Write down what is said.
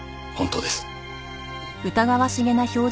本当です。